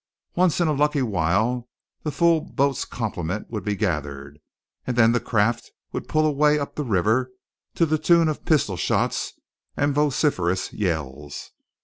Once in a lucky while the full boat's complement would be gathered; and then the craft would pull away up the river to the tune of pistol shots and vociferous yells.